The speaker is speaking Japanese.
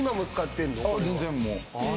全然もう。